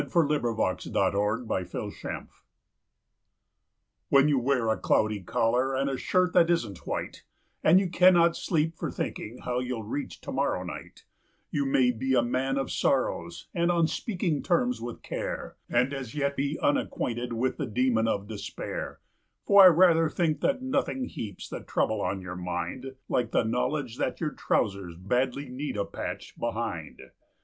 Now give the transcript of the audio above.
1905 When Your Pants Begin To Go HEN you wear a cloudy collar and a shirt that isn't white, And you cannot sleep for thinking how you'll reach to morrow night, You may be a man of sorrow, and on speaking terms with Care, But as yet you're unacquainted with the Demon of Despair ; For I rather think that nothing heaps the trouble on your mind Like the knowledge that your trousers badly need a patch behind.